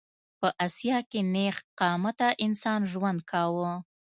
په اسیا کې نېغ قامته انسان ژوند کاوه.